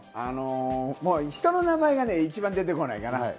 人の名前が一番出てこない。